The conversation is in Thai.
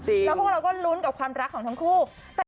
แล้วพวกเราก็ลุ้นกับความรักของทั้งคู่